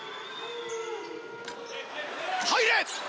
入れ！